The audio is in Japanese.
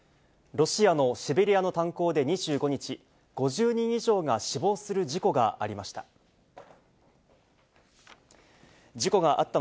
ロシアのシベリアの炭鉱で２５日、５０人以上が死亡する事故がありました。